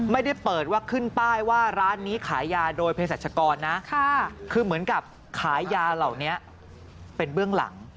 ไม่ได้เปิดว่าขึ้นป้ายว่าร้านนี้ขายยาโดยเพศรัชกรนะคือเหมือนกับขายยาเหล่านี้เป็นเบื้องหลัง